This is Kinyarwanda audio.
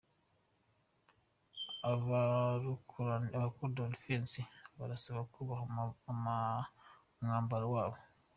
Abarokolidifensi barasabwa kubaha umwambaro wabo